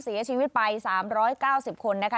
เสียชีวิตไป๓๙๐คนนะคะ